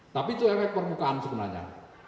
tapi itu efek permukaan sebenarnya